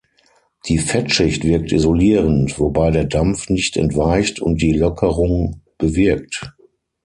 Die Fettschicht wirkt isolierend, wobei der Dampf nicht entweicht und die Lockerung bewirkt.